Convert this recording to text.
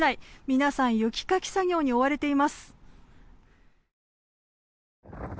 皆さん雪かき作業に追われています。